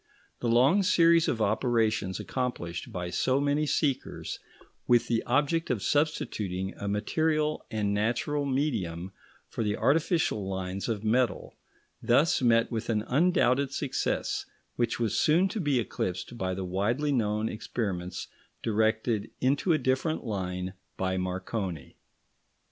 The long series of operations accomplished by so many seekers, with the object of substituting a material and natural medium for the artificial lines of metal, thus met with an undoubted success which was soon to be eclipsed by the widely known experiments directed into a different line by Marconi.